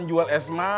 peny towang saya malah